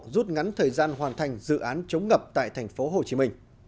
rút ngắn thời gian hoàn thành dự án chống ngập tại tp hcm